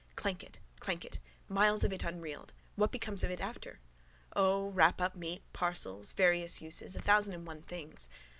Clank it. Clank it. Miles of it unreeled. What becomes of it after? O, wrap up meat, parcels: various uses, thousand and one things.